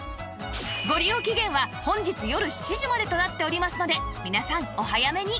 ご利用期限は本日よる７時までとなっておりますので皆さんお早めに